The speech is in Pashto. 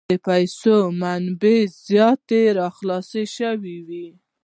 د پیسو منابع زیات را خلاص شوي وې.